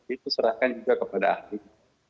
itu serahkan juga kepada ahli